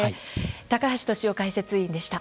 高橋俊雄解説委員でした。